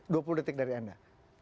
dua puluh detik dari anda